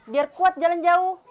biar kuat jalan jauh